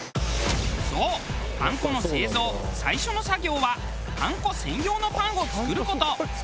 そうパン粉の製造最初の作業はパン粉専用のパンを作る事。